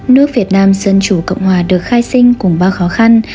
nước việt nam dân chủ cộng hòa được khai sinh cùng ba khó khăn